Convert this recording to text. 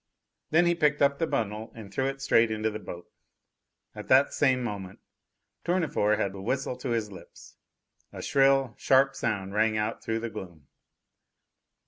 Then he picked up the bundle and threw it straight into the boat. At that same moment Tournefort had the whistle to his lips. A shrill, sharp sound rang out through the gloom.